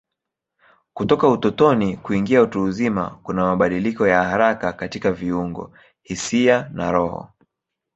Kutoka utotoni kuingia utu uzima kuna mabadiliko ya haraka katika viungo, hisia na roho.